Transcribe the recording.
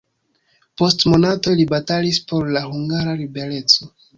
Post monatoj li batalis por la hungara libereco.